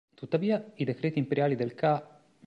Tuttavia, i decreti imperiali del ca.